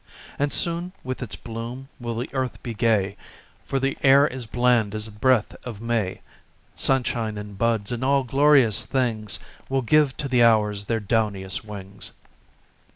And soon with its bloom will the earth be gay, For the air is bland as the breath of May; Sunshine and buds and all glorious things Will give to the hours their downiest wings.